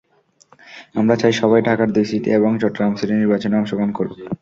আমরা চাই, সবাই ঢাকার দুই সিটি এবং চট্টগ্রাম সিটির নির্বাচনে অংশগ্রহণ করুক।